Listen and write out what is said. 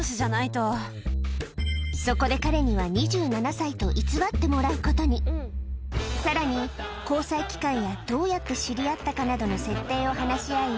そこで彼には２７歳と偽ってもらうことにさらに交際期間やどうやって知り合ったかなどの設定を話し合い